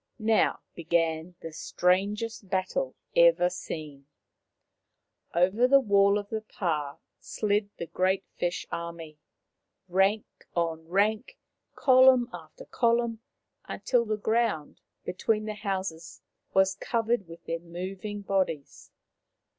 Now began the strangest battle ever seen. Over the wall of the pah slid the great fish army, rank on rank, column after column, until the ground between the houses was covered with their moving bodies.